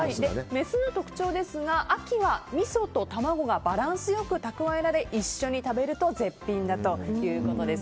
メスの特徴ですが秋はみそと卵がバランスよく蓄えられ一緒に食べると絶品だということです。